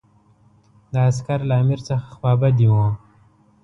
دا عسکر له امیر څخه خوابدي وو.